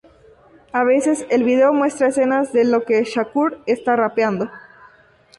A veces, el video muestra escenas de lo que Shakur está rapeando.